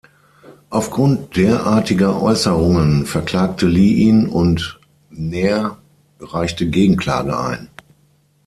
Aufgrund derartiger Äußerungen verklagte Lee ihn und Nair reichte Gegenklage ein.